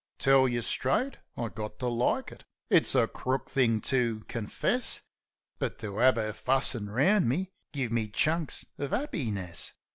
Tell yeh straight; I got to like it. It's a crook thing to confess, But to 'ave 'er fussin' round me give me chunks uv 'appiness.